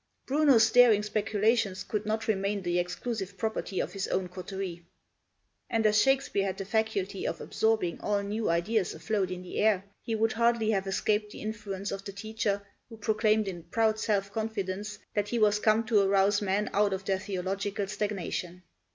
Bruno's daring speculations could not remain the exclusive property of his own coterie. And as Shakespeare had the faculty of absorbing all new ideas afloat in the air, he would hardly have escaped the influence of the teacher who proclaimed in proud self confidence that he was come to arouse men out of their theological stagnation.